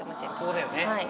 そうだよね。